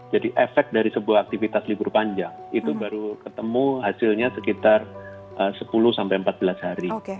jadi efek dari sebuah aktivitas libur panjang itu baru ketemu hasilnya sekitar sepuluh sampai empat belas hari